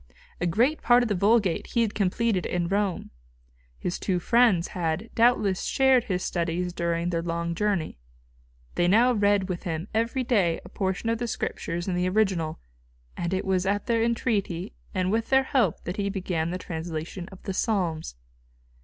A great part of the Vulgate he had completed in Rome. His two friends had, doubtless, shared his studies during their long journey. They now read with him every day a portion of the Scriptures in the original; and it was at their entreaty and with their help that he began the translation of the Psalms.